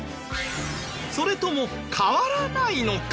それとも変わらないのか？